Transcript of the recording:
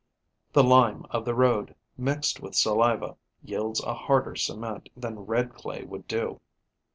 The lime of the road, mixed with saliva, yields a harder cement than red clay would do.